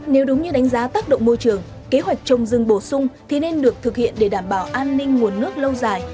nếu đúng như đánh giá tác động môi trường kế hoạch trồng rừng bổ sung thì nên được thực hiện để đảm bảo an ninh nguồn nước lâu dài